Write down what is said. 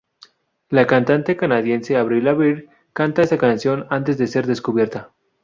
La cantante canadiense Avril Lavigne cantaba esta canción antes de ser descubierta.